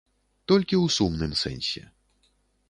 Толькі ў сумным сэнсе.